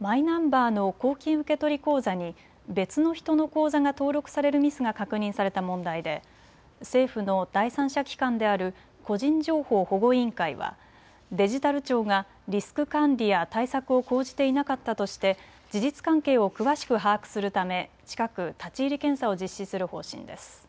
マイナンバーの公金受取口座に別の人の口座が登録されるミスが確認された問題で政府の第三者機関である個人情報保護委員会はデジタル庁がリスク管理や対策を講じていなかったとして事実関係を詳しく把握するため、近く立ち入り検査を実施する方針です。